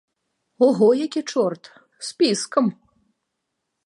Ого, які чорт, з піскам!